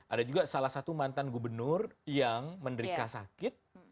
ada juga salah satu mantan gubernur yang menderita sakit